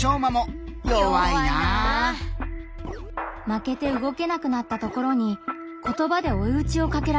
負けてうごけなくなったところに言葉でおいうちをかけられます。